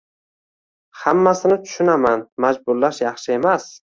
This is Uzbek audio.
Hammasini tushunaman – “majburlash yaxshi emas”